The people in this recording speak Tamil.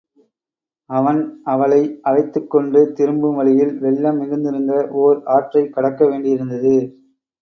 அவன் அவளை அழைத்துக் கொண்டு திரும்பும் வழியில், வெள்ளம் மிகுந்திருந்த ஓர் ஆற்றைக் கடக்க வேண்டியிருந்தது.